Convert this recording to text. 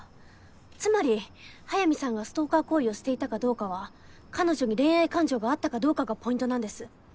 つまり速水さんがストーカー行為をしていたかどうかは彼女に恋愛感情があったかどうかがポイントなんです。